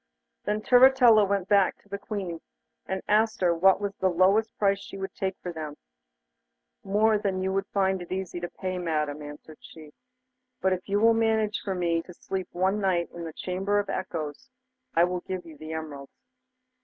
Then Turritella went back to the Queen, and asked her what was the lowest price she would take for them. 'More than you would find it easy to pay, Madam,' answered she; 'but if you will manage for me to sleep one night in the Chamber of Echoes, I will give you the emeralds.